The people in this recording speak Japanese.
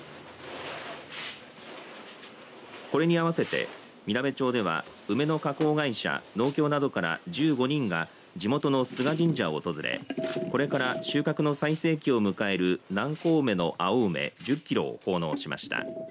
これに合わせてみなべ町では梅の加工会社、農協などから１５人が地元の須賀神社を訪れこれから収穫の最盛期を迎える南高梅の青梅１０キロを奉納しました。